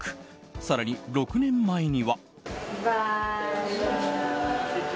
更に、６年前には。